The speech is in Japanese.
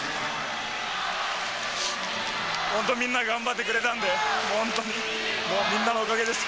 本当みんな頑張ってくれたんで、本当に、みんなのおかげです。